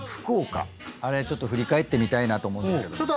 あれちょっと振り返ってみたいなと思うんですけども。